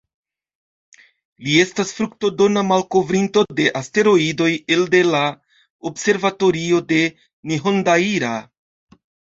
Li estas fruktodona malkovrinto de asteroidoj elde la observatorio de Nihondaira.